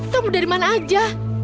kamu dari mana aja